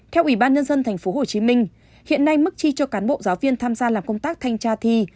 theo ubnd tp hcm hiện nay mức chi cho cán bộ giáo viên tham gia làm công tác thanh tra thi